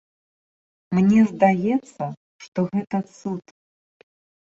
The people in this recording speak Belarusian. Мне здаецца, што гэта цуд.